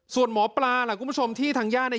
ส่วนหมอปลาล่ะคุณผู้ชมที่ทางญาติเนี่ย